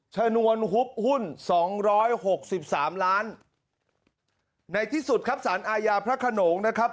ชนวนฮุบหุ้นสองร้อยหกสิบสามล้านในที่สุดครับสารอาญาพระขนงนะครับ